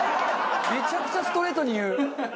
めちゃくちゃストレートに言う！